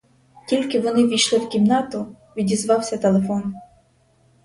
Тільки вони ввійшли в кімнату, відізвався телефон.